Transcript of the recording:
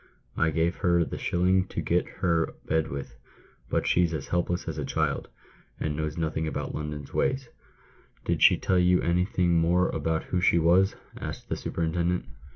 I gave her the shilling to get her bed with ; but she's as helpless as a child, and knows nothing about London ways." " Did she tell you anything more about who she was ?" asked the superintendent.